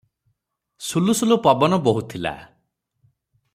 ସୁଲୁ ସୁଲୁ ପବନ ବୋହୁଥିଲା ।